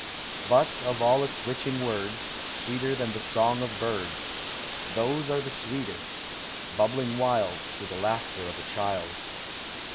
But, of all its witching words, Sweeter than the song of birds. Those are sweetest, bubbling wild Through the laughter of a child.